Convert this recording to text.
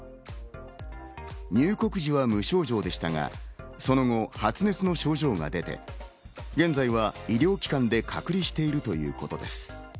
入国時は無症状でしたが、その後発熱の症状が出て、現在は医療機関で隔離しているということです。